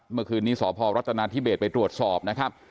เมื่อคืนนี้สพรัฐนาธิเบสไปตรวจสอบนะครับ